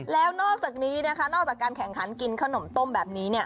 แล้วนอกจากนี้นะคะนอกจากการแข่งขันกินขนมต้มแบบนี้